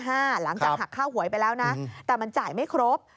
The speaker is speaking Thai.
หลังจากหักค่าหวยไปแล้วนะแต่มันจ่ายไม่ครบ